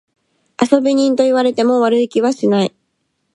遊び人と言われても悪い気はしない。